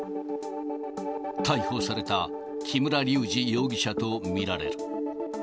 逮捕された木村隆二容疑者と見られる。